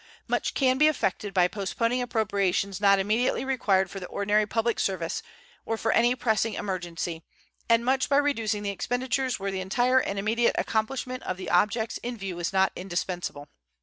Much can be effected by postponing appropriations not immediately required for the ordinary public service or for any pressing emergency, and much by reducing the expenditures where the entire and immediate accomplishment of the objects in view is not indispensable.